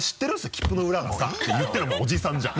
「切符の裏がさ」って言ってるもうおじさんじゃん。